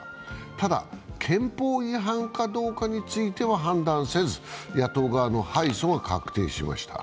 ただ、憲法違反かどうかについては判断せず、野党側の敗訴が確定しました。